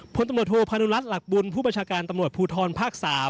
พธภลหลักบุญผู้ประชาการตำรวจภูทรภาค๓